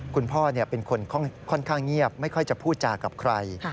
คุณพ่อเป็นคนค่อนข้างเงียบไม่ค่อยจะพูดจากับใคร